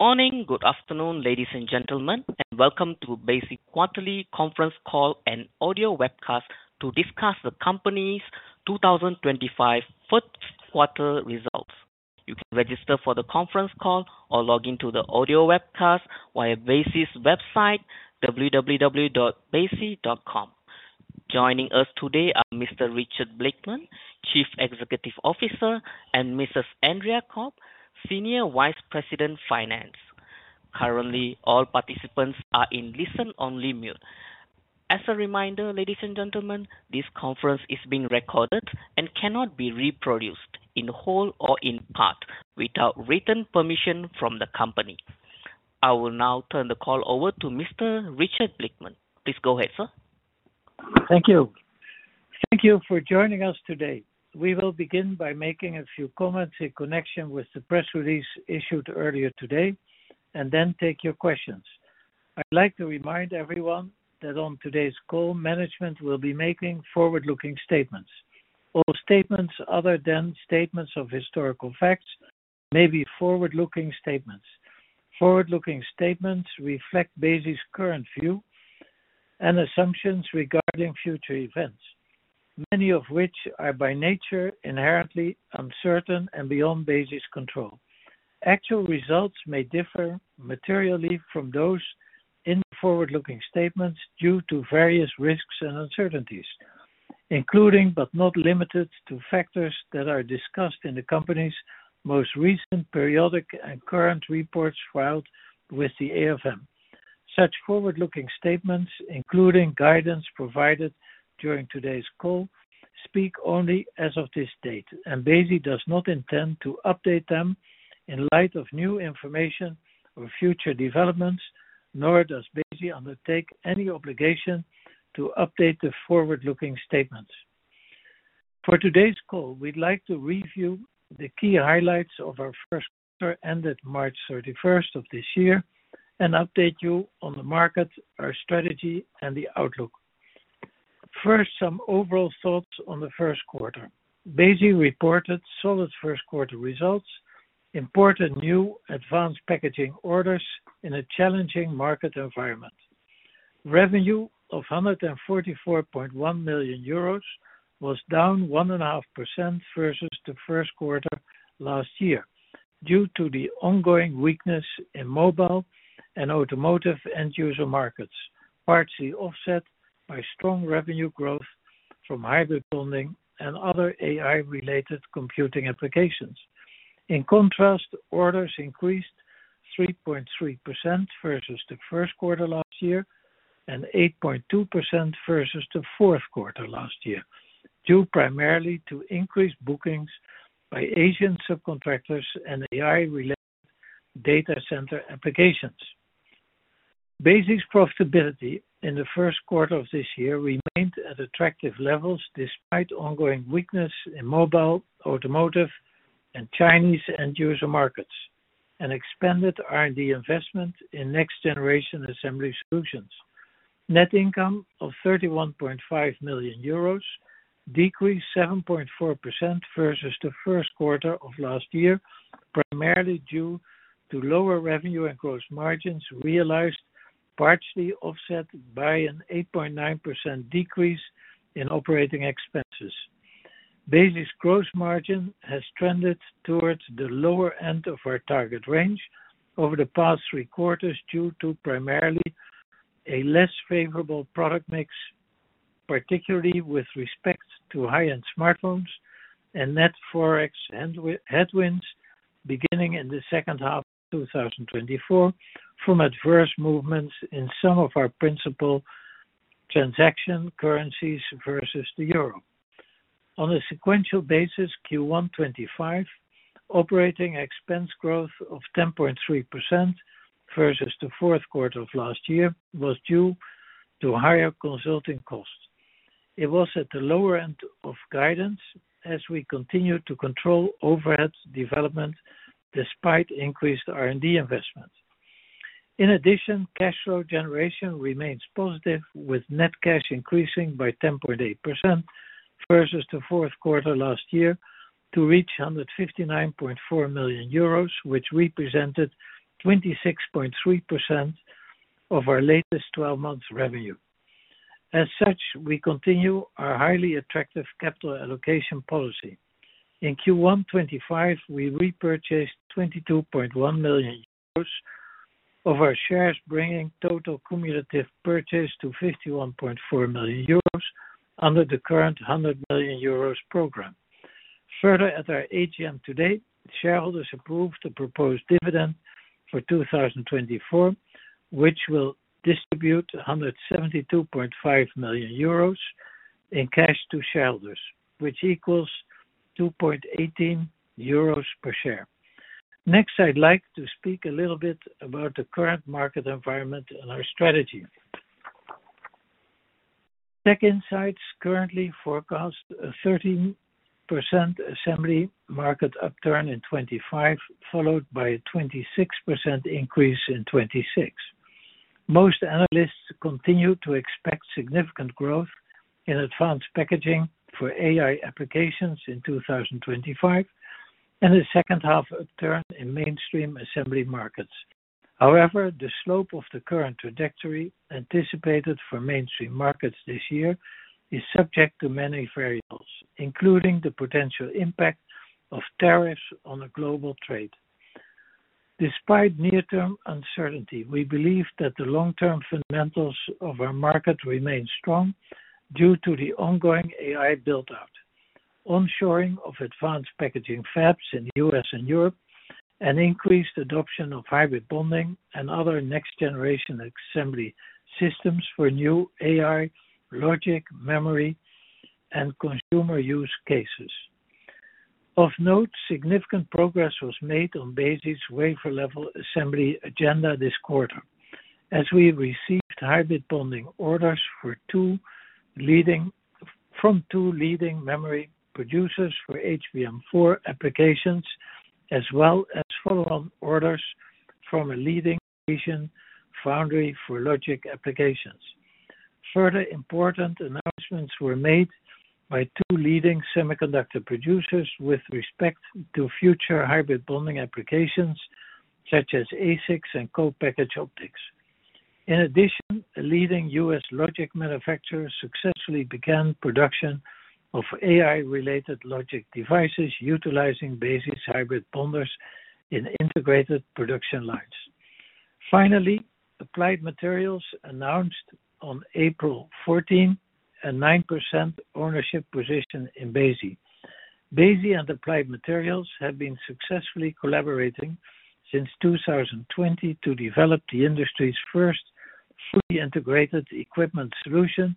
Morning. Good afternoon ladies and gentlemen and welcome to Besi quarterly conference call and audio webcast to discuss the company's 2025 first quarter results. You can register for the conference call or log into the audio webcast via Besi's website www.besi.com. Joining us today are Mr. Richard Blickman, Chief Executive Officer, and Mrs. Andrea Kopp-Battaglia, Senior Vice President, Finance. Currently all participants are in listen only mute. As a reminder, ladies and gentlemen, this conference is being recorded and cannot be reproduced in whole or in part without written permission from the Company. I will now turn the call over to Mr. Richard Blickman. Please go ahead sir. Thank you. Thank you for joining us today. We will begin by making a few comments in connection with the press release issued earlier today and then take your questions. I'd like to remind everyone that on today's call management will be making forward looking statements. All statements other than statements of historical facts may be forward looking statements. Forward looking statements reflect Besi's current view and assumptions regarding future events, many of which are by nature inherently uncertain and beyond Besi's control. Actual results may differ materially from those in forward looking statements due to various risks and uncertainties including but not limited to factors that are discussed in the Company's most recent periodic and current reports filed with the AFM. Such forward looking statements, including guidance provided during today's call, speak only as of this date and Besi does not intend to update them in light of new information or future developments. Nor does Besi undertake any obligation to update the forward looking statements. For today's call, we'd like to review the key highlights of our first quarter ended March 31 of this year and update you on the market, our strategy and the outlook. First, some overall thoughts on the first quarter. Besi reported solid first quarter results, important new advanced packaging orders in a challenging market environment. Revenue of 144.1 million euros was down 1.5% versus the first quarter last year due to the ongoing weakness in mobile and automotive end user markets, partly offset by strong revenue growth from hybrid bonding and other AI related computing applications. In contrast, orders increased 3.3% versus the first quarter last year and 8.2% versus the fourth quarter last year due primarily to increased bookings by Asian subcontractors and AI-related data center applications. Besi's profitability in the first quarter of this year remained at attractive levels despite ongoing weakness in mobile, automotive, and Chinese end user markets and expanded R&D investment in next generation assembly solutions. Net income of 31.5 million euros decreased 7.4% versus the first quarter of last year primarily due to lower revenue and gross margins realized, partially offset by an 8.9% decrease in operating expenses. Besi's gross margin has trended towards the lower end of our target range over the past three quarters due to primarily a less favorable product mix, particularly with respect to high-end smartphones and net forex headwinds beginning in the second half 2024 from adverse movements in some of our principal transaction currencies versus the euro on a sequential basis. Q1 2025 operating expense growth of 10.3% versus the fourth quarter of last year was due to higher consulting costs. It was at the lower end of guidance as we continue to control overhead development despite increased R&D investment. In addition, cash flow generation remains positive with net cash increasing by 10.8% versus the fourth quarter last year to reach 159.4 million euros which represented 26.3% of our latest 12 months revenue. As such, we continue our highly attractive capital allocation policy. In Q1 2025 we repurchased 22.1 million euros of our shares, bringing total cumulative purchase to 51.4 million euros under the current 100 million euros program. Further, at our AGM to date, shareholders approved the proposed dividend for 2024 which will distribute 172.5 million euros in cash to shareholders, which equals 2.18 euros per share. Next, I'd like to speak a little bit about the current market environment and our strategy. TechInsights currently forecast a 13% assembly market upturn in 2025 followed by a 26% increase in 2026. Most analysts continue to expect significant growth in advanced packaging for AI applications in 2025 and a second half upturn in mainstream assembly markets. However, the slope of the current trajectory anticipated for mainstream markets this year is subject to many variables including the potential impact of tariffs on global trade. Despite near term uncertainty, we believe that the long term fundamentals of our market remain strong due to the ongoing AI buildout, onshoring of advanced packaging fabs in the US and Europe, and increased adoption of hybrid bonding and other next generation assembly systems for new AI, logic, memory, and consumer use cases. Of note, significant progress was made on Besi's wafer level assembly agenda this quarter as we received hybrid bonding orders from two leading memory producers for HBM4 applications as well as follow on orders from a leading foundry for logic applications. Further important announcements were made by two leading semiconductor producers with respect to future hybrid bonding applications such as ASICs and co-packaged optics. In addition, a leading US logic manufacturer successfully began production of AI related logic devices utilizing Besi's hybrid bonders in integrated production lines. Finally, Applied Materials announced on April 14 a 9% ownership position in Besi. Besi and Applied Materials have been successfully collaborating since 2020 to develop the industry's first fully integrated equipment solution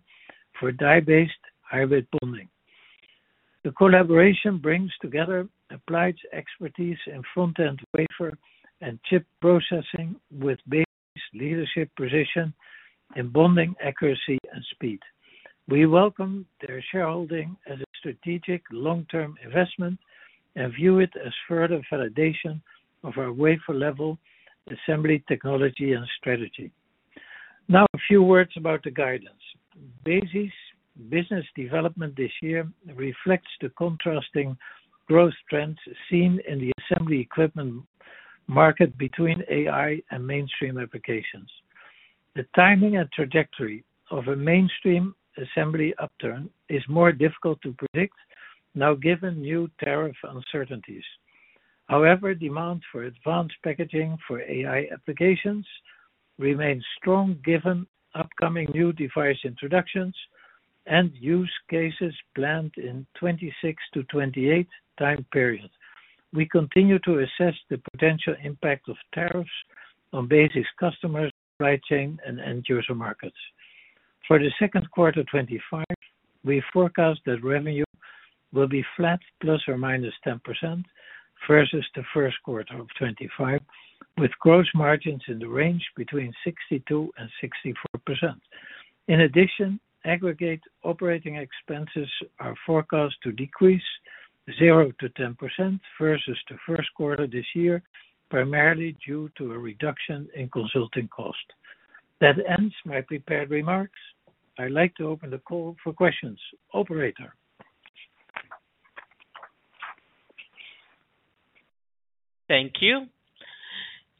for die-based hybrid bonding. The collaboration brings together Applied's expertise in front end wafer and chip processing with Besi's leadership position in bonding accuracy and speed. We welcome their shareholding as a strategic long term investment and view it as further validation of our wafer level assembly technology and strategy. Now a few words about the guidance. Besi's business development this year reflects the contrasting growth trends seen in the assembly equipment market between AI and mainstream applications. The timing and trajectory of a mainstream assembly upturn is more difficult to predict now given new tariff uncertainties. However, demand for advanced packaging for AI applications remains strong given upcoming new device introductions and use cases planned in the 2026 to 2028 time period. We continue to assess the potential impact of tariffs on Besi's customers, supply chain and end user markets. For 2Q 2025 we forecast that revenue will be flat plus or minus 10% versus 1Q 2025, with gross margins in the range between 62-64%. In addition, aggregate operating expenses are forecast to decrease 0-10% versus the first quarter this year, primarily due to a reduction in consulting cost. That ends my prepared remarks. I'd like to open the call for questions. Operator. Thank you.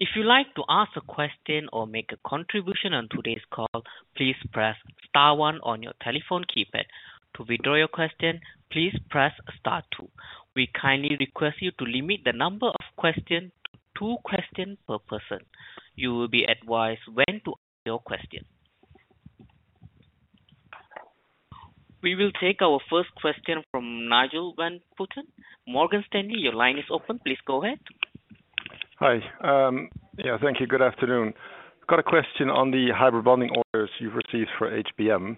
If you like to ask a question or make a contribution on today's call, please press star one on your telephone keypad. To withdraw your question, please press star two. We kindly request you to limit the number of questions to two questions per person. You will be advised when to answer your question. We will take our first question from Nigel van Putten, Morgan Stanley. Your line is open. Please go ahead. Hi, yeah, thank you. Good afternoon. Got a question on the hybrid bonding orders you've received for HBM.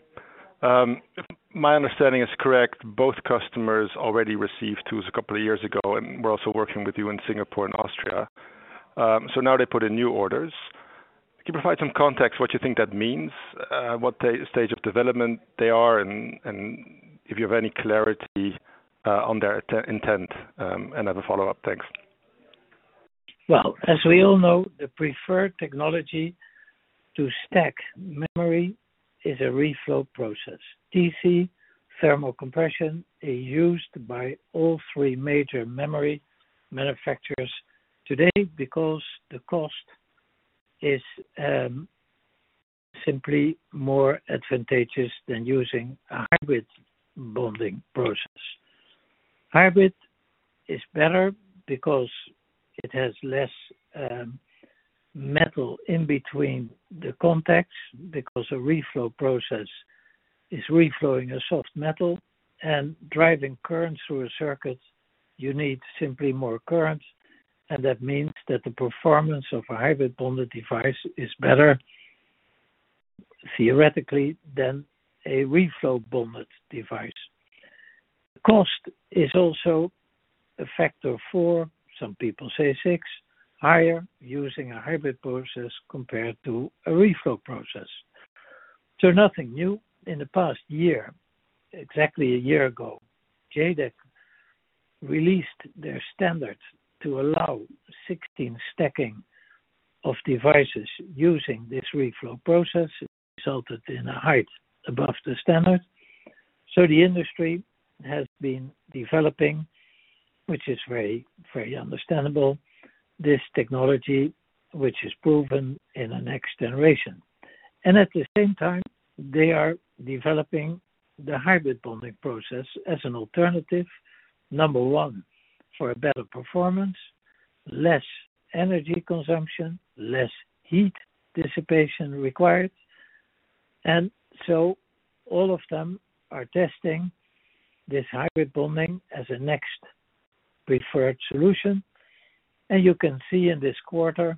If my understanding is correct, both customers already received tools a couple of years ago and were also working with you in Singapore and Austria. Now they put in new orders. Can you provide some context what you think that means, what stage of development they are and if you have any clarity on their intent and as a follow up. Thanks. As we all know, the preferred technology to stack memory is a reflow process. DC thermal compression is used by all three major memory manufacturers today because the cost is simply more advantageous than using a hybrid bonding process. Hybrid is better because it has less metal in between the contacts. Because a reflow process is reflowing a soft metal and driving current through a circuit, you need simply more current. That means that the performance of a hybrid bonded device is better theoretically than a reflow bonded device. Cost is also a factor for some people. Say 6 times higher using a hybrid process compared to a reflow process. Nothing new in the past year. Exactly a year ago, JEDEC released their standards to allow 16 stacking of devices using this reflow process, which resulted in a height above the standard. The industry has been developing, which is very, very understandable, this technology which is proven in the next generation. At the same time they are developing the hybrid bonding process as an alternative, number one, for better performance, less energy consumption, less heat dissipation required. All of them are testing this hybrid bonding as a next preferred solution. You can see in this quarter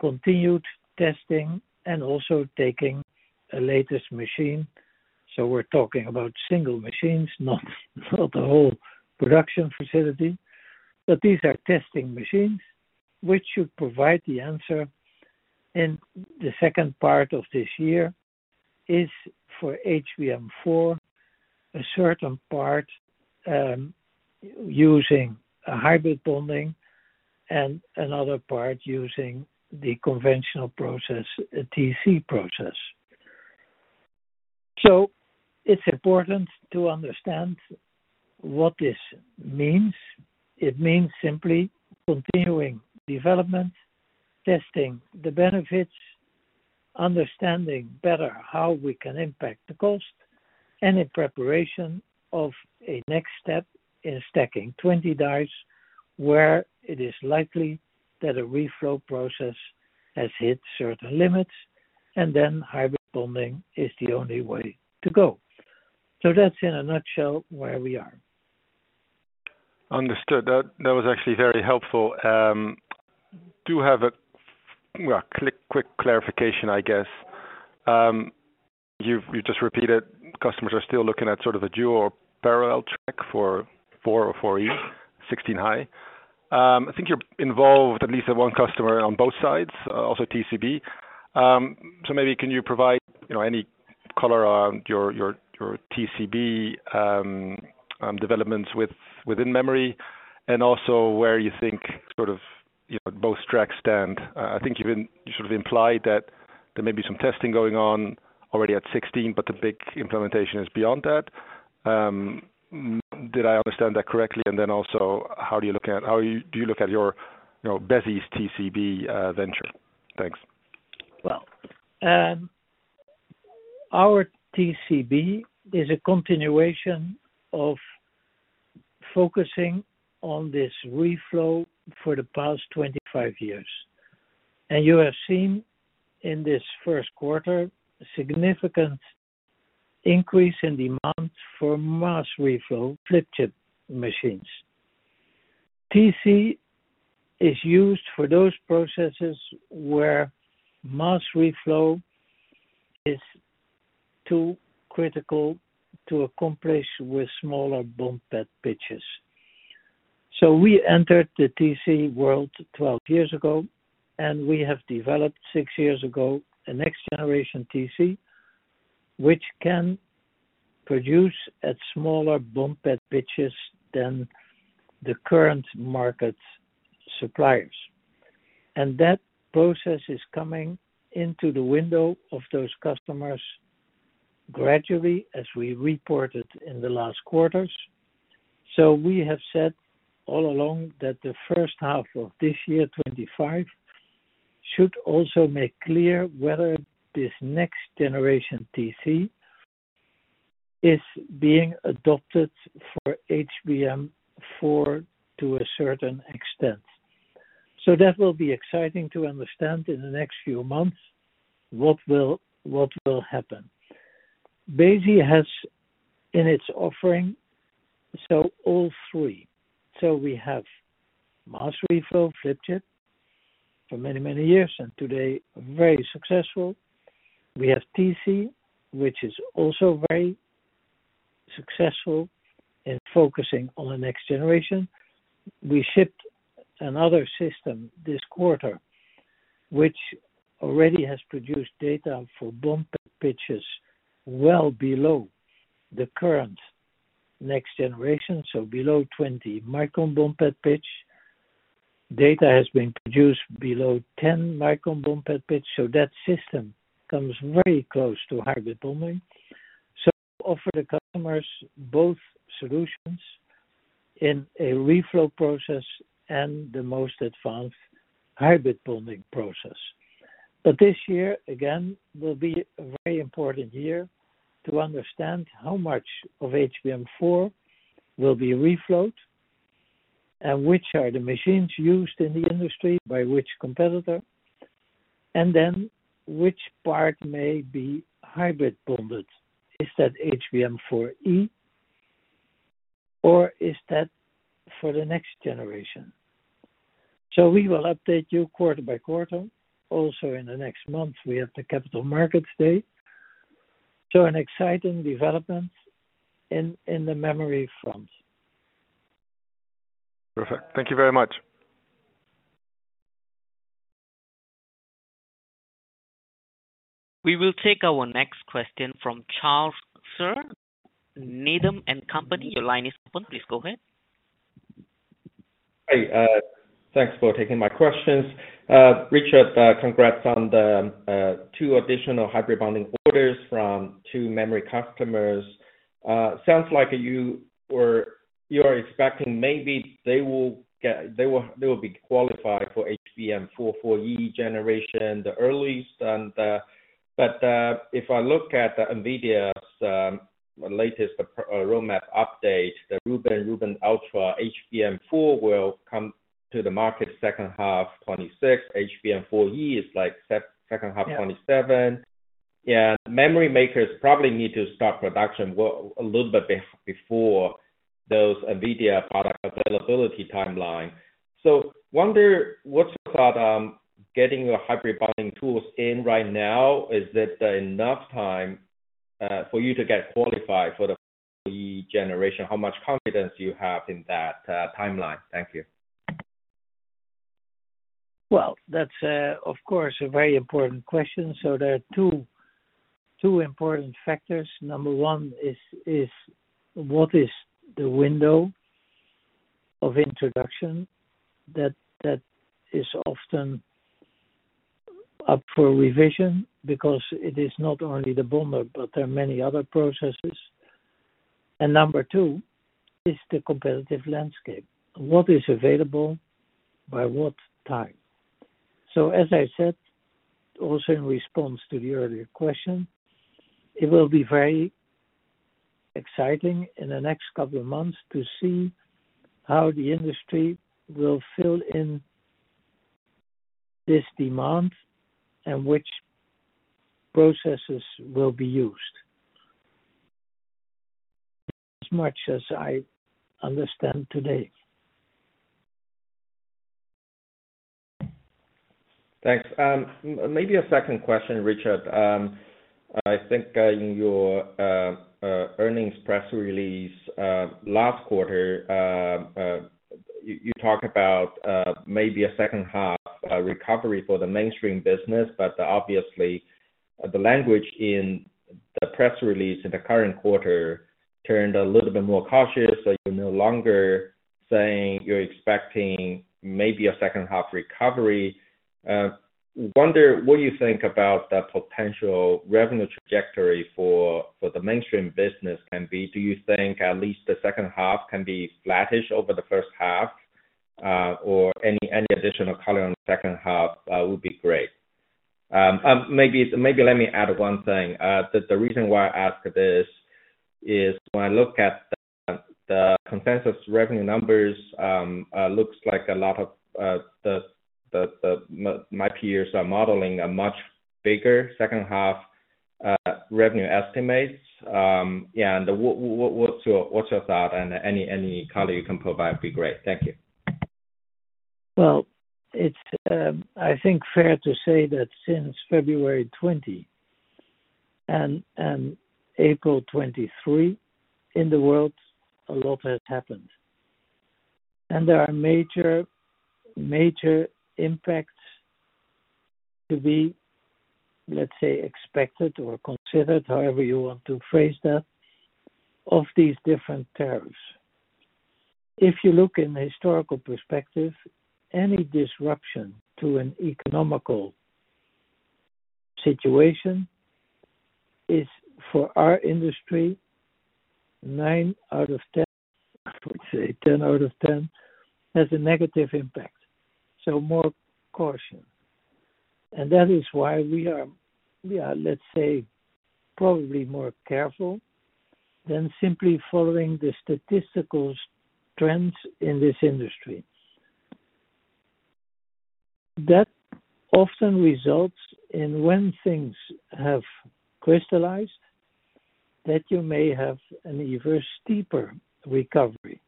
continued testing and also taking a latest machine. We're talking about single machines, not the whole production facility. These are testing machines which should provide the answer in the second part of this year for HBM4, a certain part using hybrid bonding and another part using the conventional process, TC process. It's important to understand what this means. It means simply continuing development, testing the benefits, understanding better how we can impact the cost and in preparation of a next step in stacking 20 dice where it is likely that a reflow process has hit certain limits and then hybrid bonding is the only way to go. That is in a nutshell where we are. Are understood that was actually very helpful. Do have a quick clarification. I guess you just repeated customers are still looking at sort of a dual parallel track for 4 or 4E 16 high. I think you're involved at least one customer on both sides also TCB. Maybe can you provide any color on your TCB developments within memory? Also where you think sort of both tracks stand. I think you sort of implied that there may be some testing going on already at 16, but the big implementation is beyond that. Did I understand that correctly? Also how do you look at. How do you look at your Besi's TCB venture? Thanks. Well. Our TCB is a continuation of focusing on this reflow for the past 25 years. You have seen in this first quarter significant increase in demand for mass reflow flip chip machines. TCB is used for those processes where mass reflow is too critical to accomplish with smaller bump pitches. We entered the TCB world 12 years ago and we developed six years ago a next generation TCB which can produce at smaller bump pitches than the current market suppliers and that process is coming into the window of those customers gradually as we reported in the last quarters. We have said all along that the first half of this year 2025 should also make clear whether this next generation TCB is being adopted for HBM4 to a certain extent. That will be exciting to understand in the next few months what will happen. Besi has in its offering all three. We have mass reflow flip chip for many, many years and today very successful. We have TCB, which is also very successful in focusing on the next generation. We shipped another system this quarter which already has produced data for bump pitches well below the current next generation. So below 20 micron bump pitch, data has been produced below 10 micron bump pitch. That system comes very close to hybrid bonding. We offer the customers both solutions in a reflow process and the most advanced hybrid bonding process. This year again will be a very important year to understand how much of HBM4 will be reflowed and which are the machines used in the industry by which competitor and then which part may be hybrid bonded. Is that HBM4E or is that for the next generation? We will update you quarter by quarter. Also, in the next month we have the capital markets day. An exciting development in the memory front. Perfect. Thank you very much. We will take our next question from Charles Shi and Needham & Company. Your line is open. Please go ahead. Hey, thanks for taking my questions Richard. Congrats on the two additional hybrid bonding orders from two memory customers. Sounds like you are expecting maybe they will get qualified for HBM4E generation the earliest. If I look at Nvidia's latest roadmap update, the Rubin Ultra HBM4 will come to the market second half 2026. HBM4E is like second half 2027 and memory makers probably need to start production a little bit before those Nvidia product availability timeline. I wonder what's your thought getting your hybrid bonding tools in right now? Is that enough time for you to get qualified for the generation? How much confidence do you have in that timeline? Thank you. That is, of course, a very important question. There are two important factors. Number one is what is the window of introduction that is often up for revision because it is not only the Bonder but there are many other processes. Number two is the competitive landscape, what is available by what time. As I said also in response to the earlier question, it will be very exciting in the next couple of months to see how the industry will fill in this demand and which processes will be used as much as I understand today. Thanks. Maybe a second question Richard. I think in your earnings press release last quarter you talk about maybe a second half recovery for the mainstream business. Obviously the language in the press release in the current quarter turned a little bit more cautious. You are no longer saying you are expecting maybe a second half recovery. Wonder what you think about the potential revenue trajectory for the mainstream business can be. Do you think at least the second half can be flattish over the first half or any additional color on the second half would be great. Maybe let me add one thing. The reason why I ask this is when I look at the consensus revenue numbers, looks like a lot of. My peers are modeling a much bigger second half revenue estimates. What's your thought? Any color you can provide be great. Thank you. I think it is fair to say that since February 20 and April 23 in the world a lot has happened and there are major, major impacts to be, let's say, expected or considered, however you want to phrase that, of these different tariffs. If you look in the historical perspective, any disruption to an economical situation is for our industry, 9 out of 10 out of 10 has a negative impact. More caution. That is why we are, yeah, let's say, probably more careful than simply following the statistical trends in this industry that often results in when things have crystallized that you may have an even steeper recovery.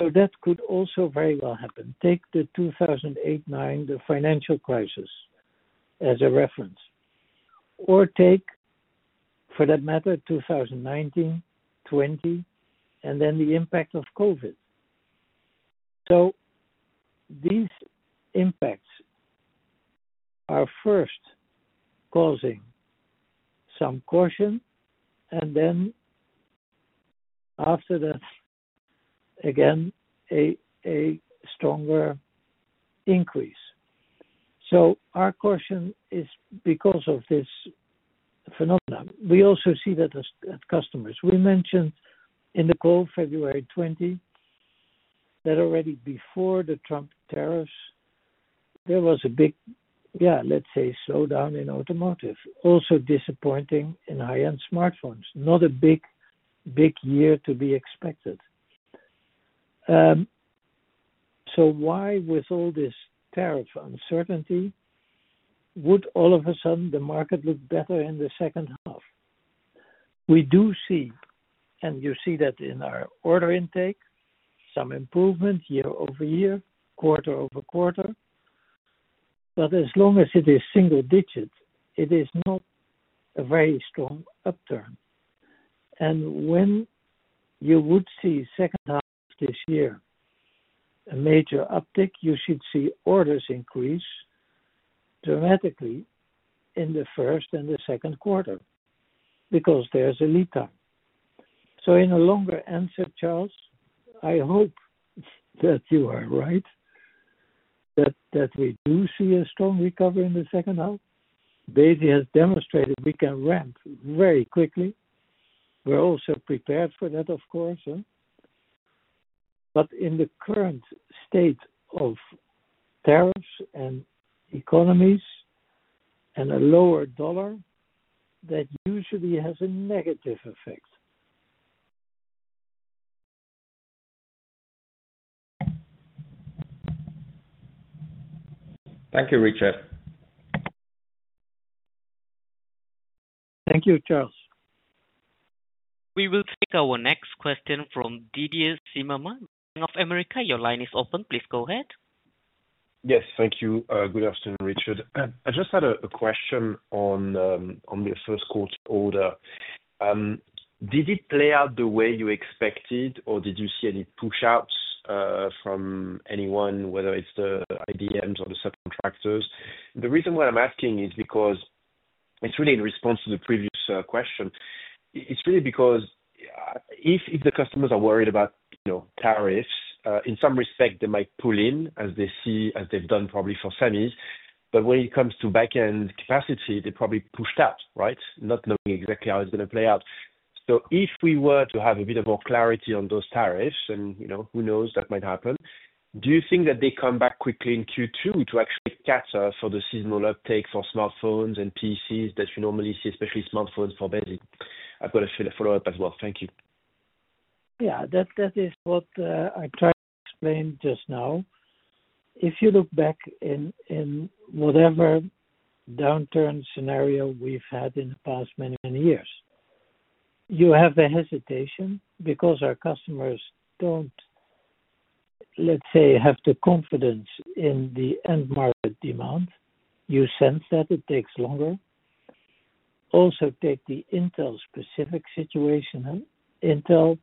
That could also very well happen. Take the 2008-2009, the financial crisis as a reference or take for that matter 2019, 2020 and then the impact of COVID. These impacts are first causing some caution and then after, again, a stronger increase. Our caution is because of this phenomenon. We also see that as customers, we mentioned in the call February 20th, that already before the Trump tariffs there was a big, yeah, let's say slowdown in automotive, also disappointing in high-end smartphones. Not a big, big year to be expected. Why, with all this tariff uncertainty, would all of a sudden the market look better in the second half? We do see, and you see that in our order intake, some improvement year-over-year, quarter-over-quarter. As long as it is single digit, it is not a very strong upturn. When you would see second half this year a major uptick, you should see orders increase dramatically in the first and the second quarter because there's a lead time. In a longer answer, Charles, I hope that you are right that we do see a strong recovery in the second half. Besi has demonstrated we can ramp very quickly. We're also prepared for that, of course, but in the current state of tariffs and economies and a lower dollar, that usually has a negative effect. Thank you, Richard. Thank you, Charles. We will take our next question from Didier Scemama, Bank of America, your line is open. Please go ahead. Yes, thank you. Good afternoon, Richard. I just had a question on the first court order. Did it play out the way you expected or did you see any push outs from anyone, whether it's the IDM or the subcontractors? The reason why I'm asking is because it's really in response to the previous question. It's really because if the customers are worried about tariffs in some respect, they might pull in as they see as they've done probably for semis. When it comes to back end capacity, they probably pushed out. Right? Not knowing exactly how it's going to play out. If we were to have a bit of more clarity on those tariffs, you know, who knows, that might happen? Do you think that they come back quickly in Q2 to actually cater for the seasonal uptake for smartphones and PCs that we normally see, especially smartphones? For Besi, I've got a follow up as well. Thank you. Yeah, that is what I tried to explain just now. If you look back in whatever downturn scenario we've had in the past many years, you have the hesitation because our customers don't, let's say, have the confidence in the end market demand. You sense that it takes longer. Also take the Intel specific situation, Intel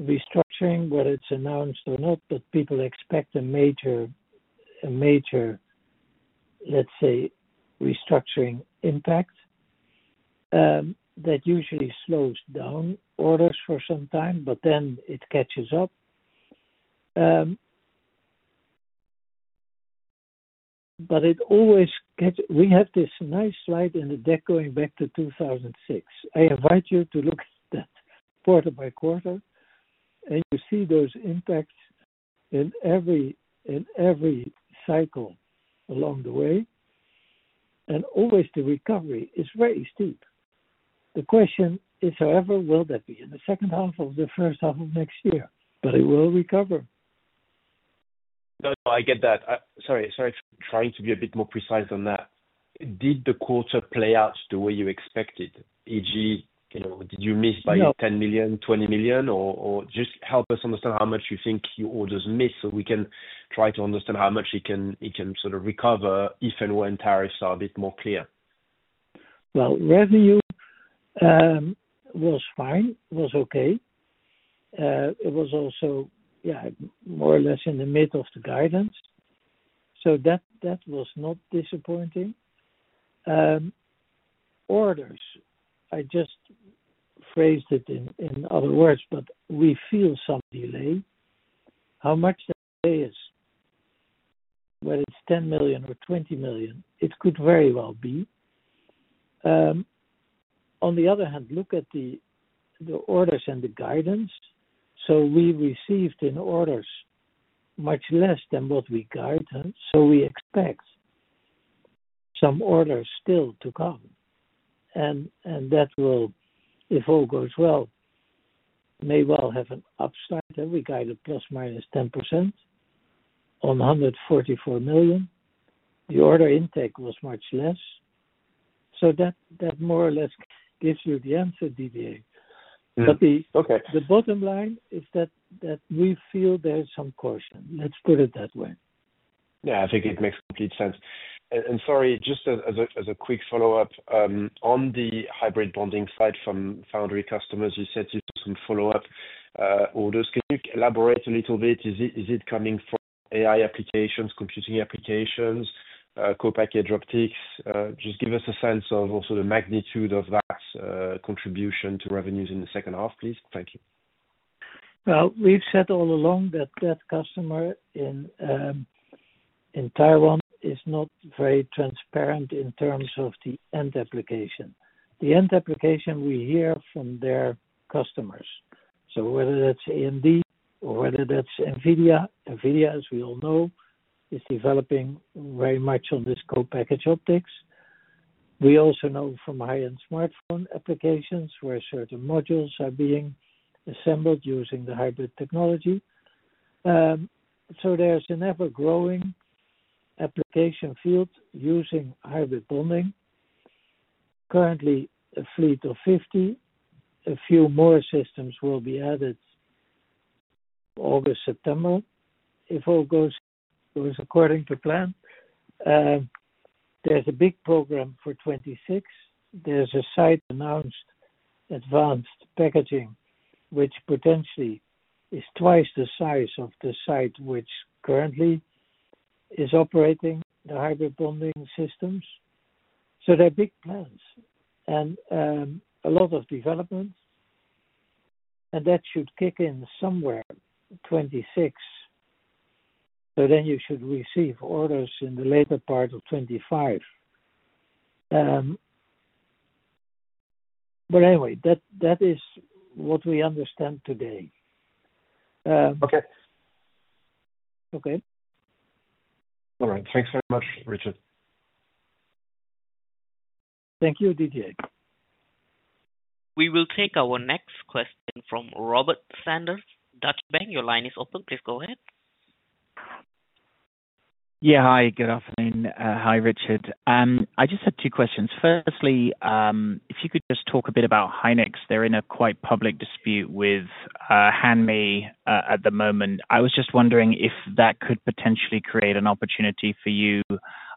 restructuring whether it's announced or not. People expect a major, major, let's say, restructuring impact that usually slows down orders for some time but then it catches up. It always gets, we have this nice slide in the deck going back to 2006. I invite you to look at that quarter by quarter and you see those impacts and in every cycle along the way and always the recovery is very steep. The question is, however, will that be in the second half of the first half of next year? But it will recover. No, I get that. Sorry, trying to be a bit more precise on that. Did the quarter play out the way you expected? For example, did you miss by $10 million, $20 million or just help us understand how much you think few orders missed so we can try to understand how much it can sort of recover if and when tariffs are a bit more clear? Revenue was fine, was okay. It was also, yeah, more or less in the middle of the guidance. That was not disappointing. Orders, I just phrased it in other words. We feel some delay, how much is, whether it's 10 million or 20 million, it could very well be. On the other hand, look at the orders and the guidance. We received in orders much less than what we guided. We expect some orders still to come, and that will, if all goes well, may well have an upside. We guided plus minus 10%, 144 million. The order intake was much less. That more or less gives you the answer. The bottom line is that we feel there's some caution, let's put it that way. Yeah, I think it makes complete sense. Sorry, just as a quick follow-up on the hybrid bonding side from foundry customers, you said to some follow-up orders. Can you elaborate a little bit? Is it coming from AI applications, computing applications, co-package optics? Just give us a sense of also the magnitude of that contribution to revenues in the second half please. Thank you. We've said all along that customer in Taiwan is not very transparent in terms of the end application. The end application we hear from their customers. Whether that's AMD or whether that's Nvidia. Nvidia, as we all know, is developing very much on this co-package optics. We also know from high-end smartphone applications where certain modules are being assembled using the hybrid technology. There's an ever-growing application field using hybrid bonding, currently a fleet of 50. A few more systems will be added August, September if all goes according to plan. There's a big program for 2026. There's a site announced for advanced packaging which potentially is twice the size of the site which currently is operating the hybrid bonding systems. There are big plans and a lot of development and that should kick in somewhere in 2026. Then you should receive orders in the later part of 2025. Anyway, that is what we understand today. Okay. Okay. All right, thanks very much, Richard. Thank you, Didier. We will take our next question from Robert Sanders, Deutsche Bank. Your line is open. Please go ahead. Yeah, hi, good afternoon. Hi Richard. I just had two questions. Firstly, if you could just talk a bit about Hynix. They're in a quite public dispute with Hanmi at the moment. I was just wondering if that could potentially create an opportunity for you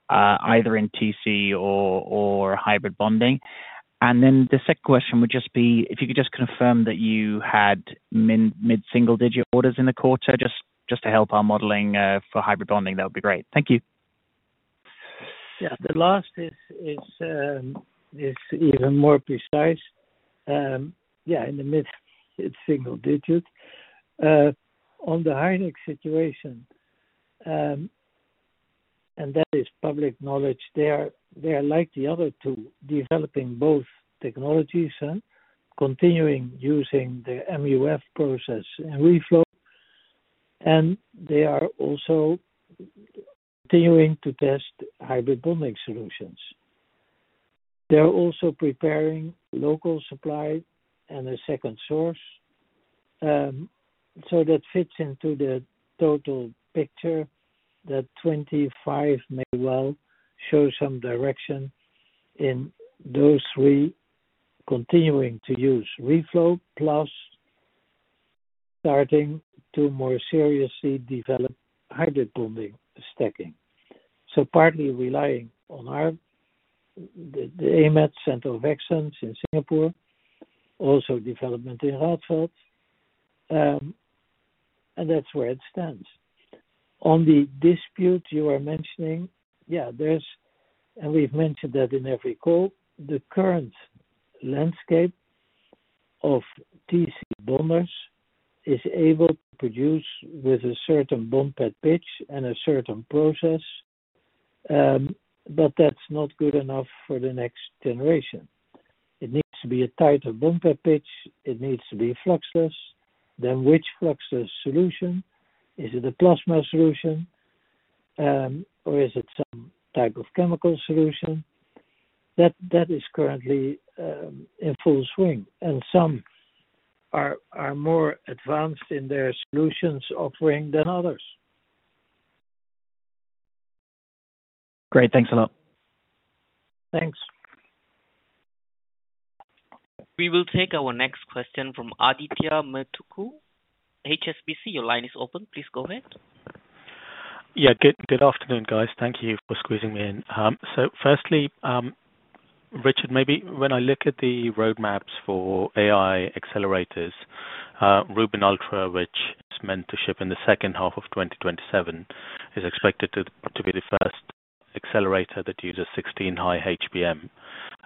either in TC or hybrid bonding. The second question would just be if you could just confirm that you had mid single digit orders in the quarter just to help our modeling for hybrid bonding, that would be great, thank you. Yeah. The last is even more precise. Yeah. In the mid single digit on the Hynix situation and that is public knowledge. They are like the other two, developing both technologies, continuing using the MUF process and Reflow and they are also continuing to test hybrid bonding solutions. They are also preparing local supply and a second source. That fits into the total picture. That 2025 may well show some direction in those three continuing to use Reflow plus starting to more seriously develop hybrid bonding stacking. Partly relying on the AMAT center of excellence in Singapore, also development in Radfeld. That is where it stands on the dispute you are mentioning. Yeah, and we have mentioned that in every call. The current landscape of TCB bonders is able to produce with a certain bump pitch and a certain process but that is not good enough for the next generation. It needs to be a tighter bump pitch, it needs to be fluxless. Then which flux is the solution? Is it a plasma solution or is it some type of chemical solution that is currently in full swing, and some are more advanced in their solutions offering than others. Great, thanks a lot. Thanks. We will take our next question from Adithya Metuku, HSBC. Your line is open. Please go ahead. Yeah, good afternoon guys. Thank you for squeezing me in. Firstly Richard, maybe when I look at the roadmaps for AI accelerators, Rubin Ultra, which is meant to ship in the second half of 2027, is expected to be the first accelerator that uses 16-high HBM.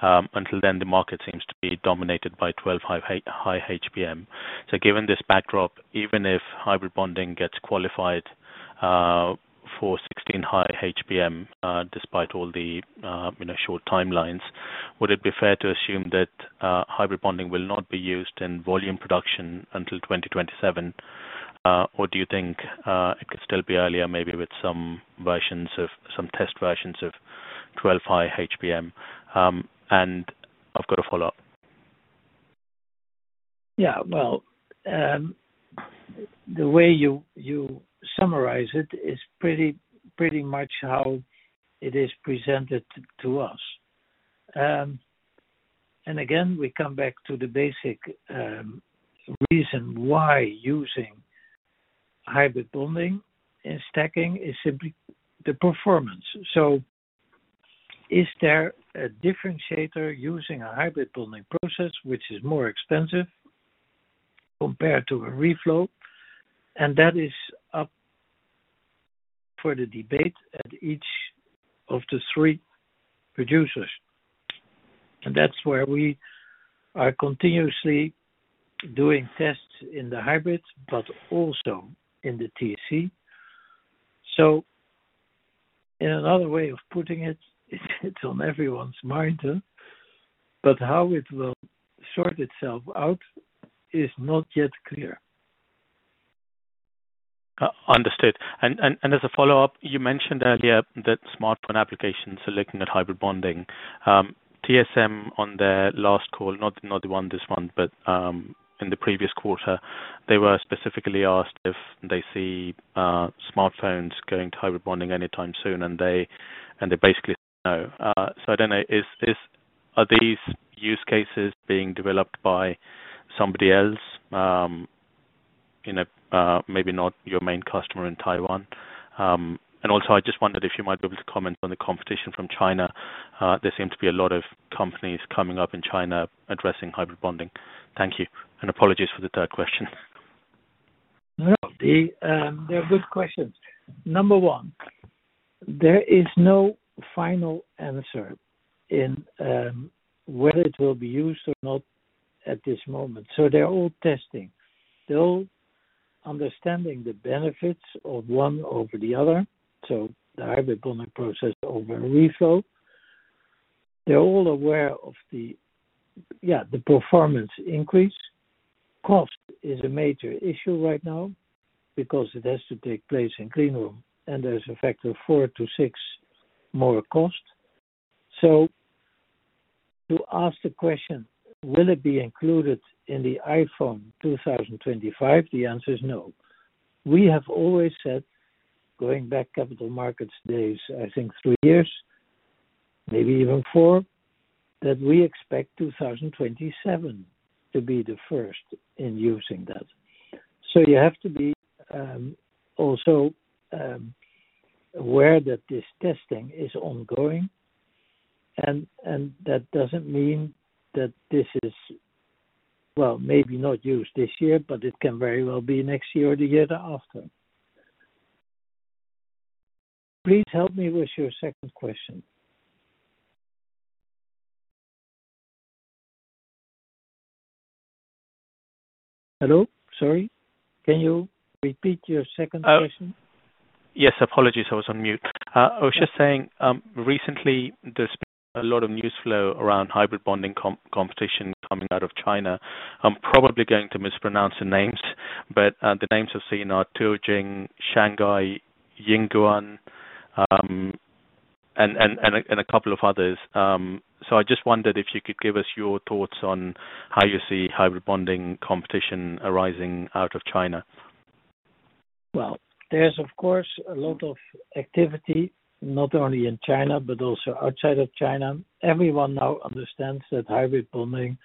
Until then the market seems to be dominated by 12-high HBM. Given this backdrop, even if hybrid bonding gets qualified for 16-high HBM despite all the short timelines, would it be fair to assume that hybrid bonding will not be used in volume production until 2027? Or do you think it could still be earlier, maybe with some versions of some test versions of 12.5 HBM? I've got a follow up. Yeah, the way you summarize it is pretty much how it is presented to us. Again, we come back to the basic reason why using hybrid bonding and stacking is simply the performance. Is there a differentiator using a hybrid bonding process which is more expensive compared to a reflow? That is up for debate at each of the three producers. That's where we are continuously doing tests in the hybrids, but also in the TCB. In another way of putting it, it's on everyone's mind, but how it will sort itself out is not yet clear. Understood. As a follow up, you mentioned earlier that smartphone applications are looking at hybrid bonding. TSMC on their last call, not the one this month, but in the previous quarter, they were specifically asked if they see smartphones going to hybrid bonding anytime soon. They basically said no. I do not know, are these use cases being developed by somebody else, maybe not your main customer in Taiwan? I also just wondered if you might be able to comment on the competition from China. There seem to be a lot of companies coming up in China addressing hybrid bonding. Thank you. Apologies for the third question. They're good questions. Number one, there is no final answer in whether it will be used or not at this moment. They're all testing, they're all understanding the benefits of one over the other. The hybrid bonding process over reflow. They're all aware of the, yeah, the performance increase. Cost is a major issue right now because it has to take place in clean room and there's a factor of four- to six- more cost. To ask the question, will it be included in the iPhone 2025, the answer is no. We have always said, going back capital markets days, I think three years, maybe even four, that we expect 2027 to be the first in using that. You have to be also aware that this testing is ongoing. That does not mean that this is, maybe not used this year, but it can very well be next year or the year after. Please help me with your second question. Sorry, can you repeat your second question? Yes, apologies, I was on mute. I was just saying recently there's been a lot of news flow around hybrid bonding competition coming out of China. I'm probably going to mispronounce the names, but the names I've seen are Tuojing, Shanghai, Yingguan and a couple of others. I just wondered if you could give us your thoughts on how you see hybrid bonding competition arising out of China. There is of course a lot of activity not only in China, but also outside of China. Everyone now understands that hybrid bonding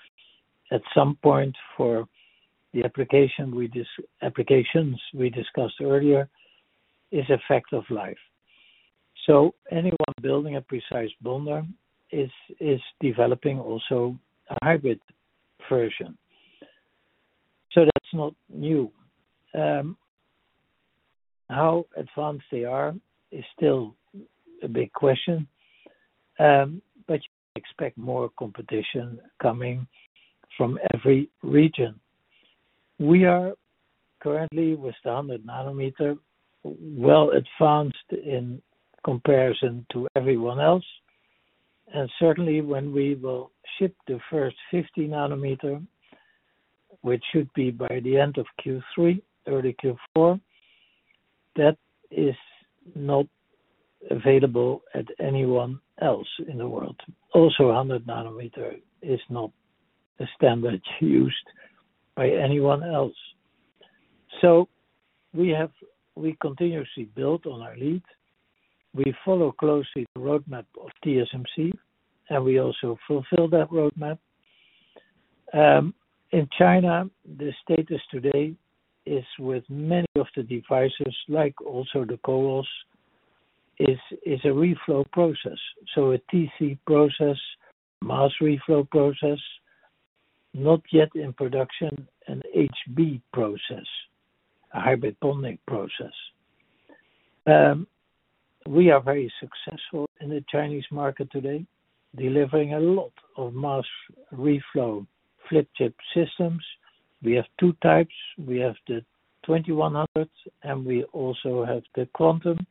at some point for the applications we discussed earlier is a fact of life. Anyone building a precise bundle is developing also a hybrid version. That is not new. How advanced they are is still a big question. You expect more competition coming from every region. We are currently with the 100 nanometer, well advanced in comparison to everyone else. Certainly when we will ship the first 50 nanometer, which should be by the end of Q3, early Q4, that is not available at anyone else in the world. Also, 100 nanometer is not a standard used by anyone else. We continuously build on our lead, we follow closely the roadmap of TSMC and we also fulfill that roadmap in China. The status today is with many of the devices, like also the corals, it is a reflow process. So a TC process, mass reflow process not yet in production, and HB process, a hybrid bonding process. We are very successful in the Chinese market today, delivering a lot of mass reflow flip chip systems. We have two types, we have the 2100 and we also have the Quantum,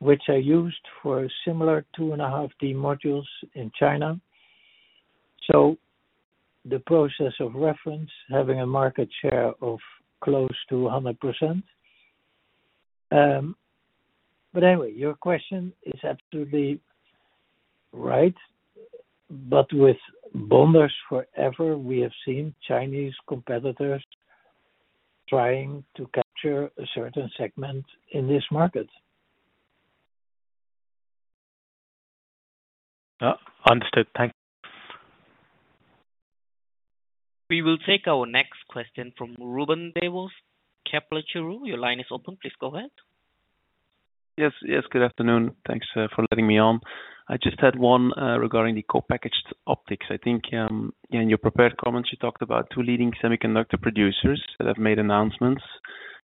which are used for similar 2.5D modules in China. So the process of reference having a market share of close to 100%. Anyway, your question is absolutely right. With Bondage Forever, we have seen Chinese competitors trying to capture a certain segment in this market. Understood, thanks. We will take our next question from Ruben Devos, Kepler Cheuvreux. Your line is open. Please go ahead. Yes, yes, good afternoon. Thanks for letting me on. I just had one regarding the co-package optics. I think in your prepared comments you talked about two leading semiconductor producers that have made announcements.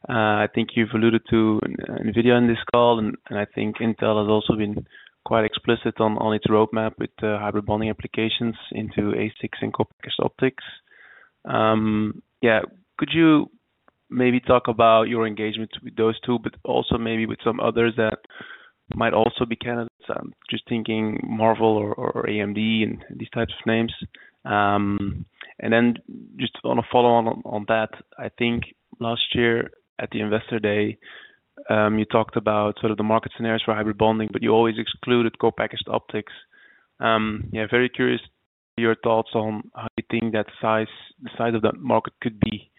I think you've alluded to Nvidia in this call and I think Intel has also been quite explicit on its roadmap with hybrid bonding applications into ASICs and co-package optics. Yeah. Could you maybe talk about your engagement with those two but also maybe with some others that might also be candidates. Just thinking Marvel or AMD and these types of names and then just on a follow on on that, I think last year at the investor day you talked about sort of the market scenarios for hybrid bonding, but you always excluded co-package optics. Yeah. Very curious your thoughts on how you think that size, the size of the market could be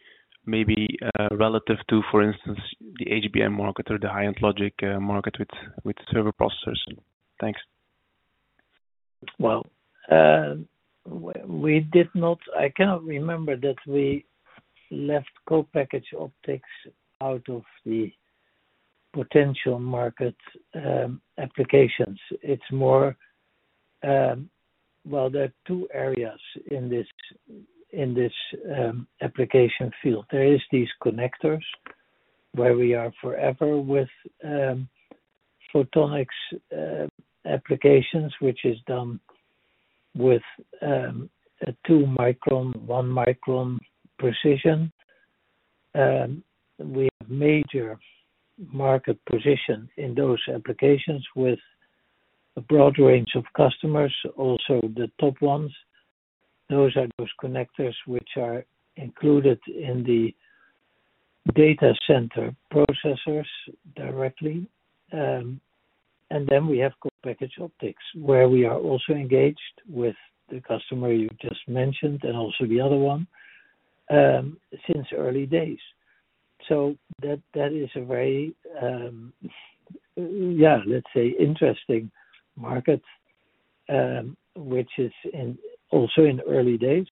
maybe relative to for instance the HBM market or the high end logic market with server processors. Thanks. Well. We did not. I cannot remember that we left co-package optics out of the potential market applications. It is more. There are two areas in this, in this application field. There are these connectors where we are forever with photonics applications, which is done with a 2 micron, 1 micron precision. We have major market position in those applications with a broad range of customers. Also the top ones, those are those connectors which are included in the data center processors directly. We have co-package optics where we are also engaged with the customer you just mentioned and also the other one since early days. That is a very, let's say, interesting market which is also in early days.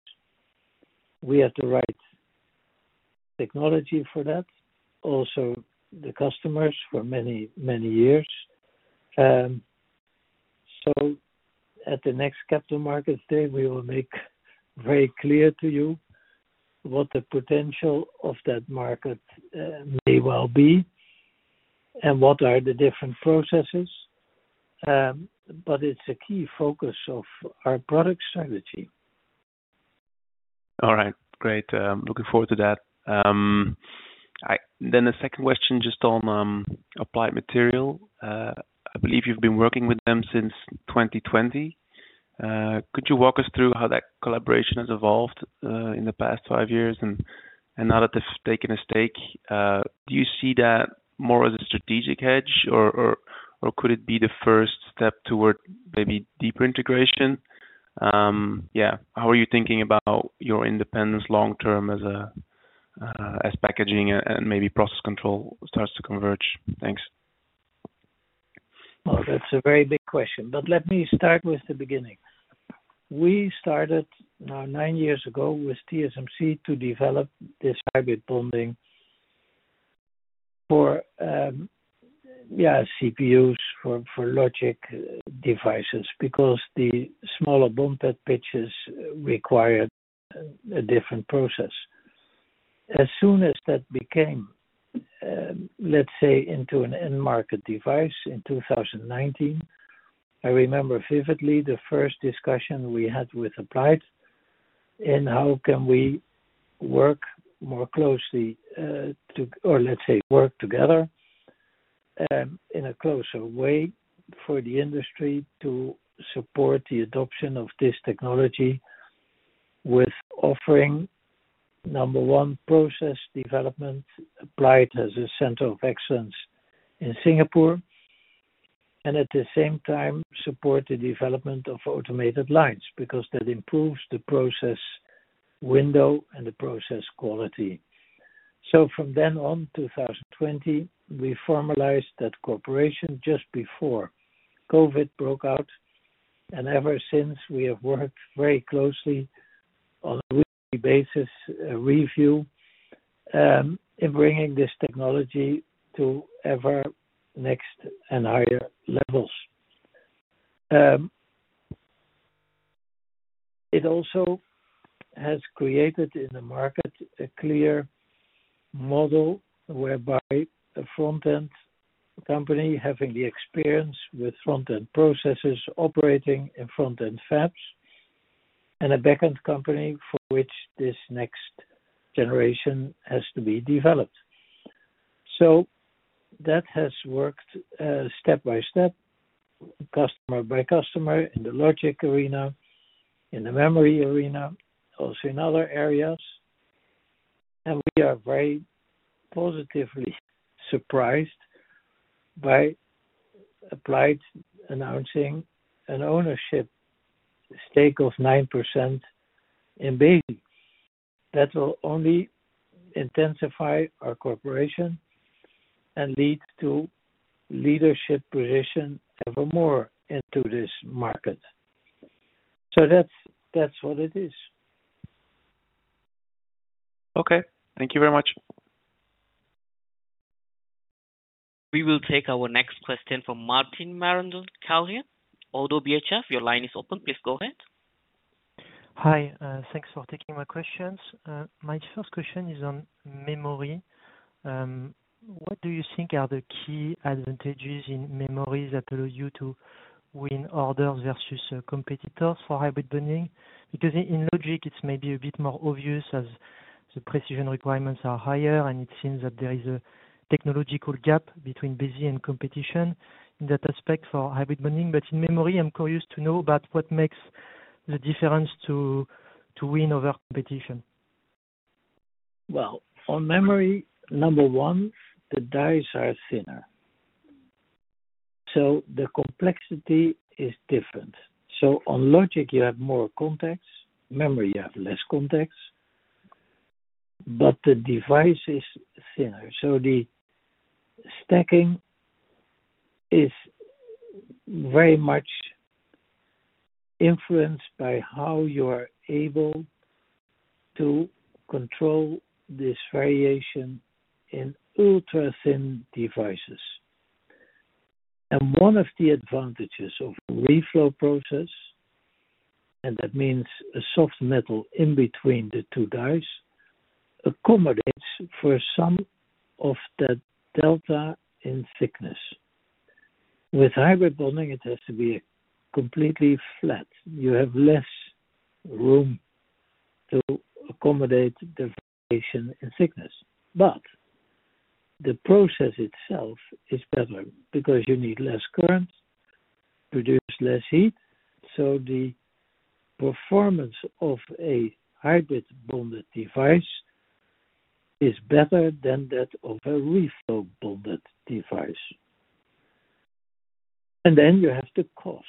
We have the right technology for that, also the customers for many, many years. At the next capital markets day, we will make very clear to you what the potential of that market may well be and what are the different processes. It is a key focus of our product strategy. All right, great. Looking forward to that. The second question, just on Applied Materials, I believe you've been working with them since 2020. Could you walk us through how that collaboration has evolved in the past five years and now that they've taken a stake, do you see that more as a strategic hedge or could it be the first step toward maybe deeper integration? How are you thinking about your independence long term as packaging and maybe process control starts to converge? Thanks. That is a very big question, but let me start with the beginning. We started nine years ago with TSMC to develop this hybrid bonding for CPUs for logic devices because the smaller bumped pitches required a different process. As soon as that became, say, into an end market device. In 2019, I remember vividly the first discussion we had with Applied and how can we work more closely, or let's say work together in a closer way for the industry to support the adoption of this technology with offering number one process development, Applied as a center of excellence in Singapore, and at the same time support the development of automated lines because that improves the process window and the process quality. From then on, in 2020, we formalized that cooperation just before COVID broke out. Ever since we have worked very closely on a weekly basis reviewing and bringing this technology to ever next and higher levels. It also has created in the market a clear model whereby a front end company having the experience with front end processes operating in front end fabs and a backend company for which this next generation has to be developed. That has worked step by step, customer by customer in the logic arena, in the memory arena, also in other areas. We are very positively surprised by Applied announcing an ownership stake of 9% in Besi that will only intensify our cooperation and lead to leadership position ever more into this market. That is what it is. Okay, thank you very much. We will take our next question from Martin Marandon-Carlhian, ODDO BHF, your line is open. Please go ahead. Hi, thanks for taking my questions. My first question is on memory. What do you think are the key advantages in memory that allow you to win orders versus competitors for hybrid bonding? Because in logic it's maybe a bit more obvious as the precision requirements are higher. It seems that there is a technological gap between Besi and competition in that aspect for hybrid bonding. In memory, I'm curious to know about what makes the difference to win over competition. On memory, number one, the dies are thinner, so the complexity is different. On logic, you have more contacts; memory, you have less contacts, but the device is thinner. The stacking is very much influenced by how you are able to control this variation in ultra-thin devices. One of the advantages of the reflow process, and that means a soft metal in between the two dies, accommodates for some of the delta in thickness. With hybrid bonding, it has to be completely flat; you have less room to accommodate the variation in thickness, but the process itself is better because you need less current, produce less heat. The performance of a hybrid bonded device is better than that of a reflow bonded device. You have the cost.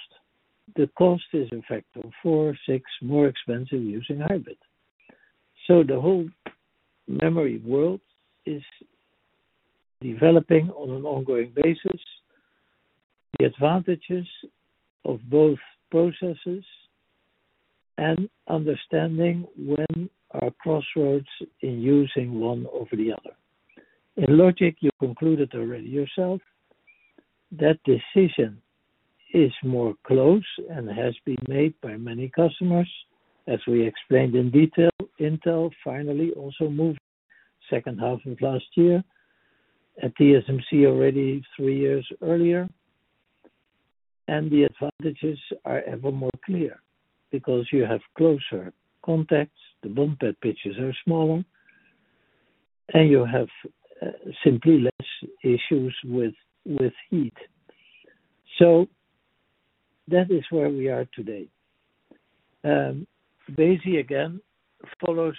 The cost is in fact four to six times more expensive using hybrid. The whole memory world is developing on an ongoing basis, the advantages of both processes and understanding when are crossroads in using one over the other in logic. You concluded already yourself that decision is more close and has been made by many customers. As we explained in detail, Intel finally also moved second half of last year, at TSMC already three years earlier, and the advantages are ever more clear because you have closer contacts, the bump pitches are smaller, and you have simply less issues with heat. That is where we are today. Besi again follows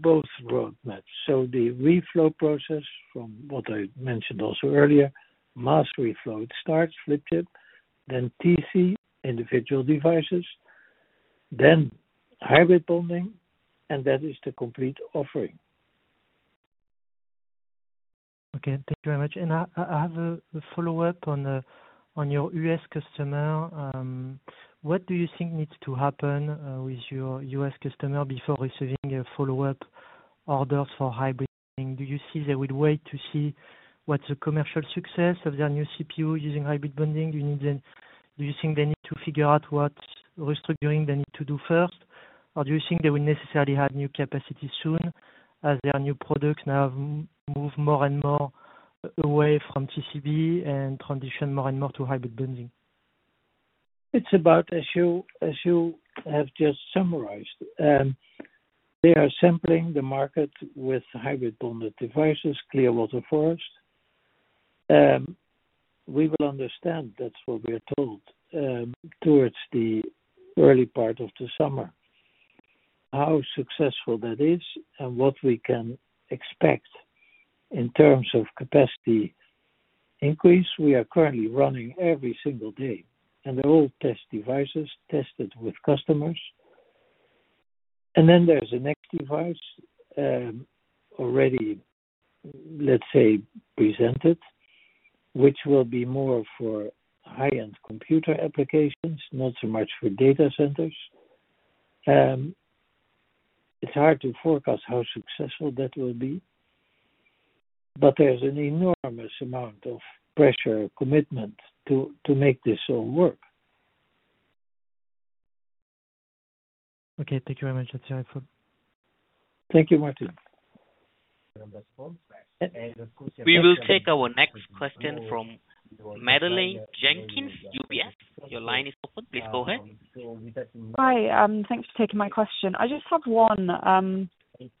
both roadmaps. The reflow process from what I mentioned also earlier, mass reflow starts flip chip, then TCB, individual devices, then hybrid bonding, and that is the complete offering. Okay, thank you very much. I have a follow up on your U.S. customer. What do you think needs to happen with your U.S. customer before receiving a follow up order for hybrid? Do you see they will wait to see what is the commercial success of their new CPU using hybrid bonding? Do you think they need to figure out what restructuring they need to do first or do you think they will necessarily have new capacity soon as there are new products now move more and more away from TCB and transition more and more to hybrid bonding? It's about as you have just summarized, they are sampling the market with hybrid bonded devices. Clearwater Forest we will understand, that's what we are told, towards the early part of the summer, how successful that is and what we can expect in terms of capacity increase. We are currently running every single day and they're all test devices tested with customers. Then there's the next device already, let's say, presented, which will be more for high end computer applications, not so much for data centers. It's hard to forecast how successful that will be, but there's an enormous amount of pressure, commitment to make this all work. Okay, thank you very much. Thank you, Martin. We will take our next question from Madeleine Jenkins, UBS. Your line is open. Please go ahead. Hi. Thanks for taking my question. I just have one.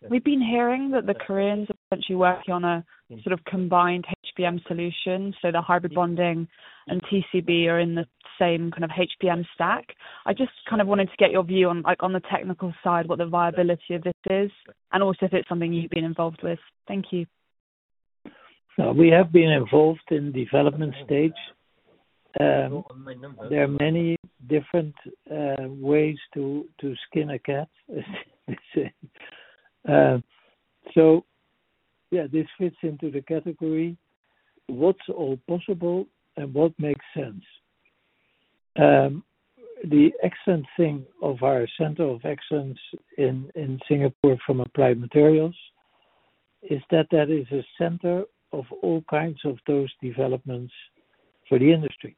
We've been hearing that the Koreans are actually working on a sort of combined HBM solution. So the hybrid bonding and TCB are in the same kind of HBM stack. I just kind of wanted to get your view on like on the technical side what the viability of this is and also if it's something you've been involved with. Thank you. We have been involved in development stage. There are many different ways to skin a cat. Yeah, this fits into the category what's all possible and what makes sense. The excellent thing of our center of Excellence in Singapore from Applied Materials is that that is a center of all kinds of those developments for the industry.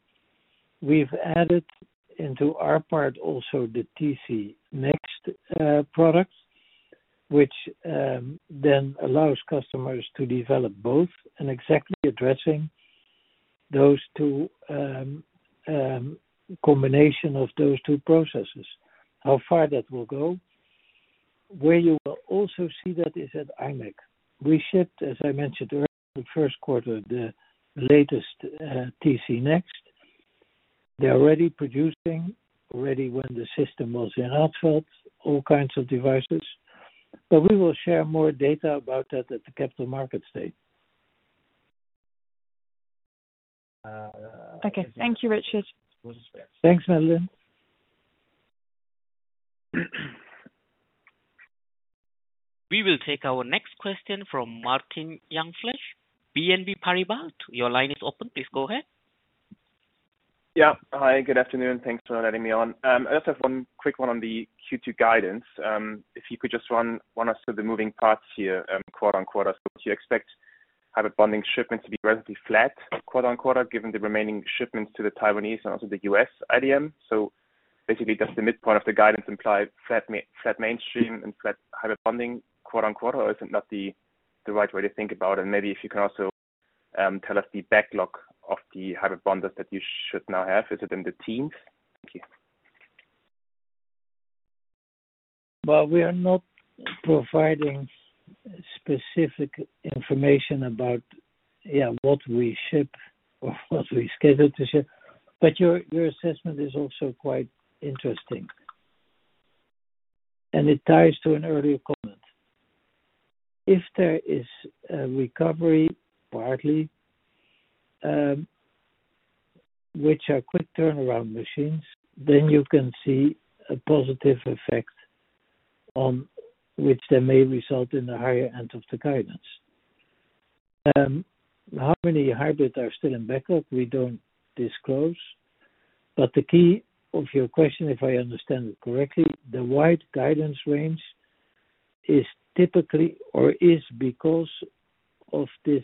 We've added into our part also the TC Next product which then allows customers to develop both and exactly addressing those two combination of those two processes. How far that will go where you will also see that is at IMEC. We shipped, as I mentioned earlier, the first quarter, the latest TC Next. They're already producing already when the system was in all kinds of devices. We will share more data about that at the capital markets day. Okay, thank you, Richard. Thanks, Madeleine. We will take our next question from Martin Jungfleisch, BNP Paribas. Your line is open. Please go ahead. Yeah, hi, good afternoon. Thanks for letting me on. I also have one quick one on the Q2 guidance. If you could just run us through the moving parts here. Quarter on quarter, do you expect hybrid. Bonding shipments to be relatively flat quarter-on-quarter given the remaining shipments to the Taiwanese and also the US IDM? Basically, does the midpoint of the guidance imply flat mainstream and flat hybrid bonding quarter on quarter or is it not the right way to think about? Maybe if you can also tell us the backlog of the hybrid bonding that you should now have. Is it in the teens? Thank you. We are not providing specific information about what we ship, what we scheduled to share, but your assessment is also quite interesting and it ties to an earlier comment. If there is recovery partly which are quick turnaround machines, then you can see a positive effect on which then may result in a higher end of the guidance. How many hybrids are still in backlog? We do not disclose. The key of your question, if I understand it correctly, the wide guidance range is typically or is because of this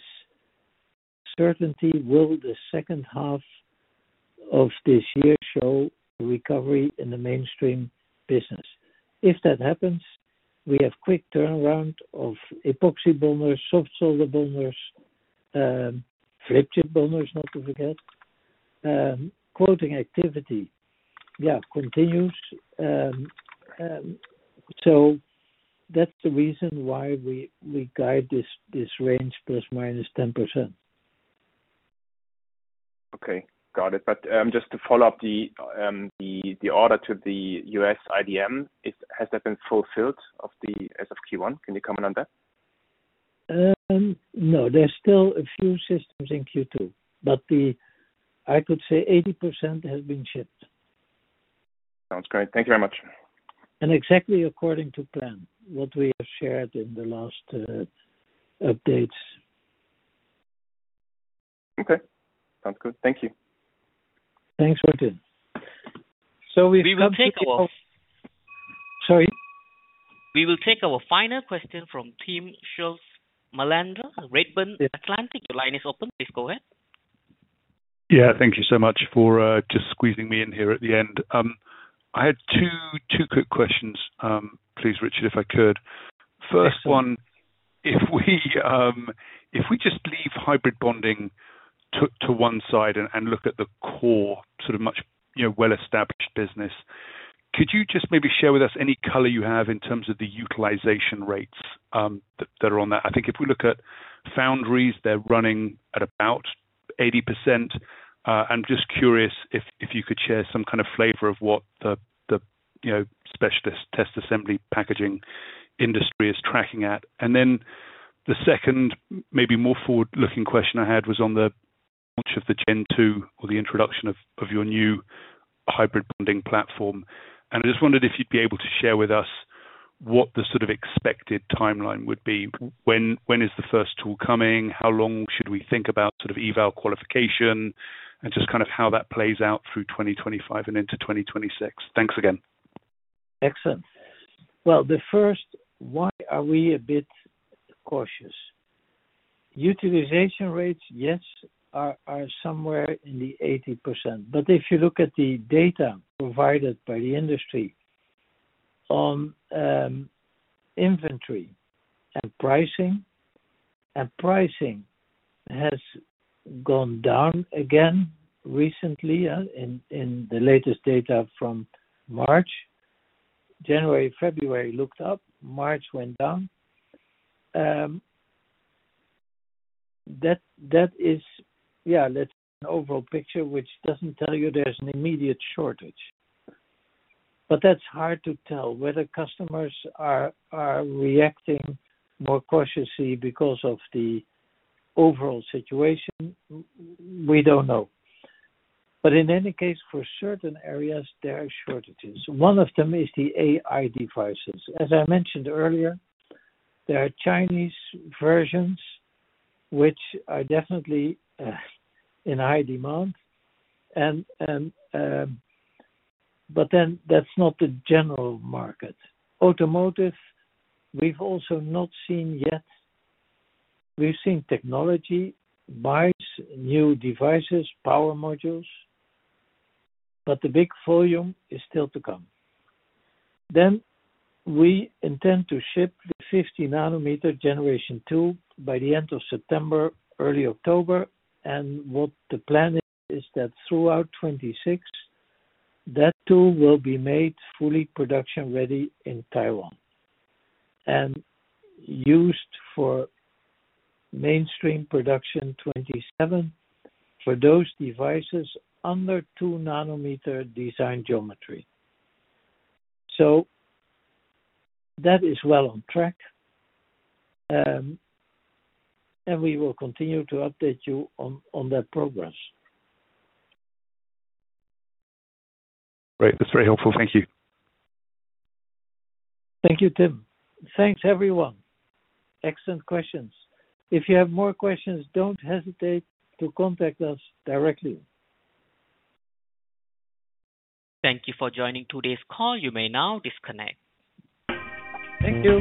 certainty, will the second half of this year show recovery in the mainstream business? If that happens, we have quick turnaround of epoxy bonders, soft solder bonders, flip chip bonders, not to forget quoting activity continues. That is the reason why we guide this range plus minus 10%. Okay, got it. Just to follow up, the order to the US IDM, has that been fulfilled as of Q1? Can you comment on that? No, there's still a few systems in Q2, but I could say 80% has been shipped. Sounds great. Thank you very much. Exactly according to plan what we have shared in the last updates. Okay, sounds good. Thank you. Thanks Martin. We will take. Sorry, we will take our final question from Tim Schulze-Melander, Redburn Atlantic. Your line is open. Please go ahead. Yeah, thank you so much for just squeezing me in here at the end. I had two quick questions please Richard, if I could. First one. If we just leave hybrid bonding to one side and look at the core sort of much well-established business, could you just maybe share with us any color you have in terms of the utilization rates that are on that? I think if we look at foundries, they're running at about 80%. I'm just curious if you could share some kind of flavor of what the specialist test assembly packaging industry is tracking at. The second maybe more forward-looking question I had was on the launch of the Gen 2 or the introduction of your new hybrid bonding platform. I just wondered if you'd be able to share with us what the sort of expected timeline would be. When is the first tool coming? How long should we think about sort of eval qualification and just kind of how that plays out through 2025 and into 2026? Thanks again. Excellent. The first, why are we a bit cautious? Utilization rates, yes, are somewhere in the 80% but if you look at the data provided by the industry on inventory and pricing, and pricing has gone down again recently in the latest data from March. January, February looked up, March went down. That is an overall picture which does not tell you there is an immediate shortage. That is hard to tell whether customers are reacting more cautiously because of the overall situation. We do not know. In any case, for certain areas there are shortages. One of them is the AI devices. As I mentioned earlier, there are Chinese versions which are definitely in high demand, but that is not the general market. Automotive, we have also not seen yet. We have seen technology buys, new devices, power modules, but the big volume is still to come. We intend to ship the 50 nanometer generation tool by the end of September, early October. The plan is that throughout 2026 that tool will be made fully production ready in Taiwan and used for mainstream production for those devices under 2 nanometer design geometry. That is well on track and we will continue to update you on that progress. Great. That's very helpful. Thank you. Thank you Tim. Thanks everyone. Excellent questions. If you have more questions, do not hesitate to contact us directly. Thank you for joining today's call. You may now disconnect. Thank you.